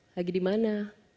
lagi di mana